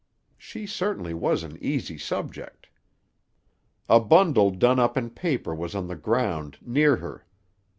She certainly was an easy subject. "A bundle done up in paper was on the ground near her.